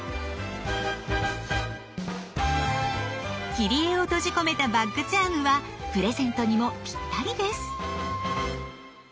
切り絵を閉じ込めたバッグチャームはプレゼントにもぴったりです。